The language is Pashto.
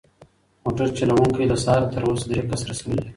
موټر چلونکی له سهاره تر اوسه درې کسه رسولي دي.